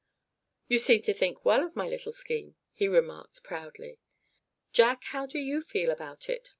"You seem to think well of my little scheme?" he remarked, proudly. "Jack, how do you feel about it?"